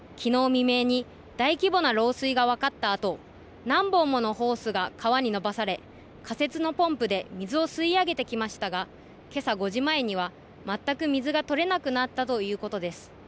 未明に大規模な漏水が分かったあと何本ものホースが川に伸ばされ仮設のポンプで水を吸い上げてきましたが、けさ５時前には全く水が取れなくなったということです。